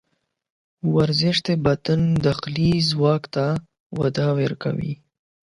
ورزش د بدن داخلي ځواک ته وده ورکوي.